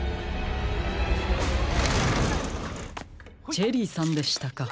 チェリーさんでしたか。